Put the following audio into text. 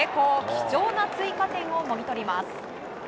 貴重な追加点をもぎ取ります。